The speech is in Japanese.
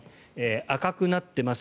赤くなってます。